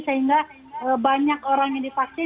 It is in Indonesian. sehingga banyak orang yang divaksin